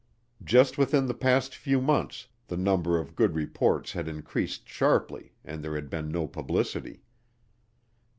Just within the past few months the number of good reports had increased sharply and there had been no publicity.